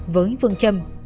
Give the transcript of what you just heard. với phương châm